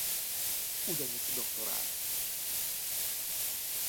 Ugyanitt doktorált.